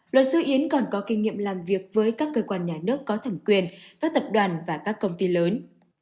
luật sư yến còn có kinh nghiệm làm việc với các cơ quan nhà nước có thẩm quyền các tập đoàn và các công ty lớn